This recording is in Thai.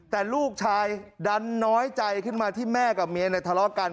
แต่ลูกชายดันน้อยใจขึ้นมาที่แม่กับเมียทะเลาะกัน